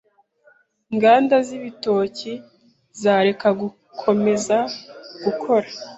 inganda z’ibitoki zareka gukomeza gukora